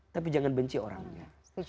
tapi jangan benci orangnya